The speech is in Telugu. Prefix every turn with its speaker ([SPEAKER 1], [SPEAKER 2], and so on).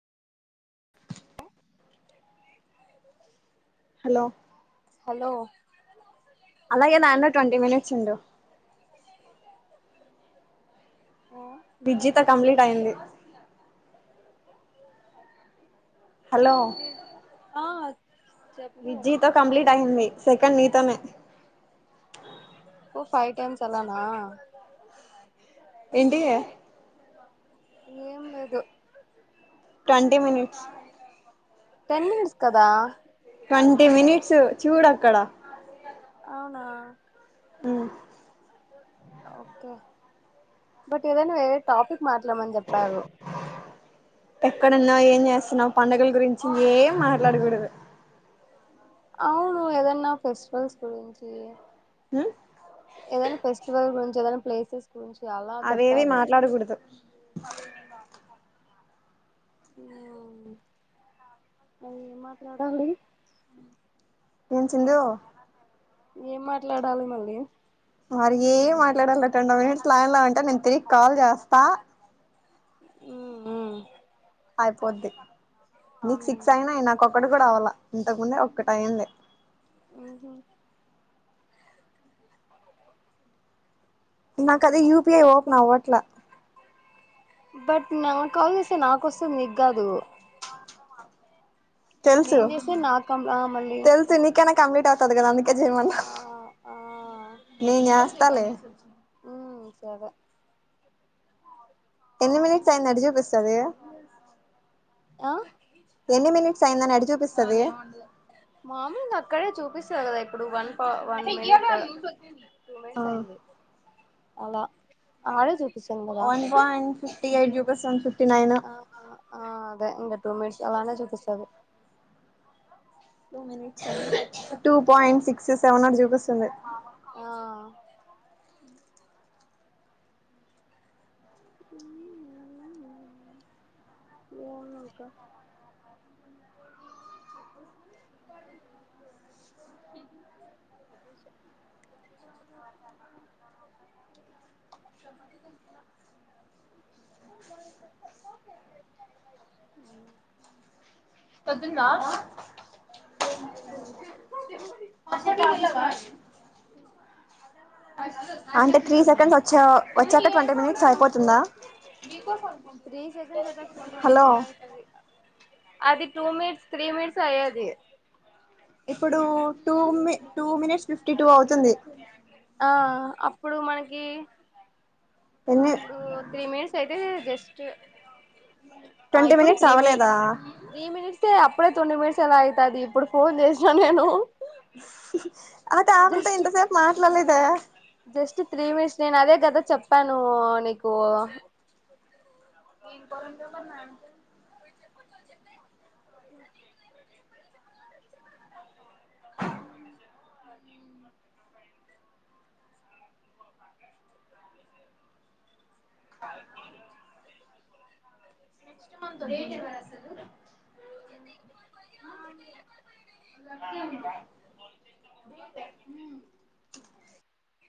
[SPEAKER 1] హలో
[SPEAKER 2] హలో
[SPEAKER 1] అలాగే దాట్లో ట్వంటీ మినిట్స్ ఉండు
[SPEAKER 2] ఆ
[SPEAKER 1] విజ్జితో కంప్లీట్ అయింది
[SPEAKER 2] అ
[SPEAKER 1] విజితో కంప్లీట్ అయింది సెకండ్ నీతోనే
[SPEAKER 2] ఓ ఫైవ్ టైమ్స్ అలానా
[SPEAKER 1] ఏంటి
[SPEAKER 2] ఏం లేదు
[SPEAKER 1] ట్వంటీ మనిట్స్
[SPEAKER 2] టెన్ మనిట్స్ కదా
[SPEAKER 1] ట్వంటీ మినిట్స్ చూడు అక్కడ
[SPEAKER 2] అవునా
[SPEAKER 1] మ్
[SPEAKER 2] ఓకే బట్ ఏదైనా వేరే టాపిక్ మాట్లామ్మని చెప్పారు
[SPEAKER 1] ఎక్కడున్నావు ఏం చేస్తున్నావ్ పండుగల గురించి ఏం మాట్లాడకూడదు
[SPEAKER 2] అవును ఏదన్నా ఫెస్టివల్స్ గురించి
[SPEAKER 1] ఉమ్
[SPEAKER 2] ఏదనా ఫెస్టివల్ గుం జదనా ప్లేసెస్ గురించి అలా
[SPEAKER 1] అవేవి
[SPEAKER 2] చెప్పారు
[SPEAKER 1] మాట్లాడకూడదు
[SPEAKER 2] అ మరి మాట్లాడాలి
[SPEAKER 1] ఏం చిందు
[SPEAKER 2] ఏం మాట్లాడాలి మళ్ళీ
[SPEAKER 1] మరి ఏం మాట్లాడాలిట్వంటవ్ మినిట్స్ లైన్ లా ఉంటే నేను తిరిగి కాల్ చేస్తా
[SPEAKER 2] హు హుమ్
[SPEAKER 1] అయిపోద్ది నీకు సిక్స్ అయినయి నా ఒక్కటి కూడా అవ్వాల ఇంతకుముందే ఒక్కటి అయింది
[SPEAKER 2] ఆ హ
[SPEAKER 1] నా కదే యుప్ పీఐ
[SPEAKER 2] సో
[SPEAKER 1] ఓపెన్ అవ్వట్ల
[SPEAKER 2] బట్ నా కాల్ చేస్తే నాకు వస్తది నీగ్గాదు
[SPEAKER 1] తెలుసు
[SPEAKER 2] నేను చేస్తే నాకు కం ఆ మళ్ళీ
[SPEAKER 1] తెలుసు ఇందుకేనా కమీట్ స్ తది కదా అందు కే చెయ్ మన్నా
[SPEAKER 2] ఆ ఆ
[SPEAKER 1] త్తాలే
[SPEAKER 2] ఉమ్ సరే
[SPEAKER 1] ఎన్ని మినిట్స్ అయ్యింద్ ఎట్ట చూపిస్తది
[SPEAKER 2] ఆ
[SPEAKER 1] ఎన్ని మినిట్స్ అయిందని ఎట్ట చూపిస్తుది
[SPEAKER 2] మామూలుగా అక్కడే [unintelligible] కదా ఇప్పుడు వన్ పే వన్ మనిట్ టూ
[SPEAKER 1] ఆ
[SPEAKER 2] మినిట్స్ అయింది అలా ఆడే చూపిస్తుంది కదా
[SPEAKER 1] వన్ పాయింట్ ఫిఫ్టి ఎయిట్ చూ [unintelligible]
[SPEAKER 2] ఆ ఆ అదే ఇంక టూ మిట్స్ అలానే చూపిస్తాది
[SPEAKER 1] two minutes [unintelligible] two point six seven [inaudible] పిస్తుంది
[SPEAKER 2] ఆ మవునంకా అ ప్రదేశ ప్రదేశ అంగా
[SPEAKER 1] పొద్దున్ దా అంటే త్రీ సెకండ్స్ వచ్ చ్చో వచ్చాక ట్వంటీ మినిట్స్ సైపో తుందా
[SPEAKER 2] త్రీ సెకండ్స్ వచ్చాక ట్వంటీ
[SPEAKER 1] హలో
[SPEAKER 2] మినిట్స్ ఎలా అయితది అది టూ మినిట్స్ త్రీ మినిట్స్ అయ్యేది
[SPEAKER 1] ఇప్పుడు టూ మి టూ మినిట్స్ ఫిఫ్టీ టూ అవుతుంది
[SPEAKER 2] ఆ అప్పుడు మనకి
[SPEAKER 1] ఎన్ని
[SPEAKER 2] ఇప్పుడు త్రీ మినిట్స్ అయితే జస్ట్ ఆ
[SPEAKER 1] ట్వంటీ
[SPEAKER 2] ఇప్పుడు
[SPEAKER 1] మినిట్స్
[SPEAKER 2] త్రీ మి
[SPEAKER 1] అవ్వలేదా
[SPEAKER 2] త్రీ మినిట్స్ ప్పుడే ట్వంటీ మినిట్స్ ఎలా ఐతాది ఇప్పుడు ఫోన్ చేసినా నేను
[SPEAKER 1] అయితే ఆమింత్తె
[SPEAKER 2] జస్ట్
[SPEAKER 1] ఇంతసేపు మా ట్లా లేదా
[SPEAKER 2] జస్ట్ త్రీ మినిట్స్ నేను అదే కదా చెప్పాను నీకు
[SPEAKER 1] [unintelligible] నెక్ట్ మంత్ [unintelligible] అసలు [unintelligible]